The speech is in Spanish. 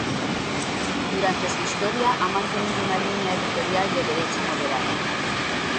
Durante su historia ha mantenido una línea editorial de derecha moderada.